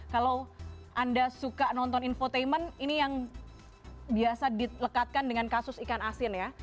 kalau anda suka nonton infotainment ini yang biasa dilekatkan dengan kasus ikan asin ya